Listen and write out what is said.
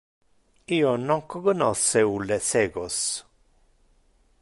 Io non cognosce ulle cecos.